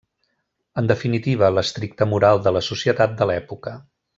En definitiva, l'estricta moral de la societat de l'època.